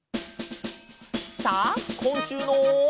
さあこんしゅうの。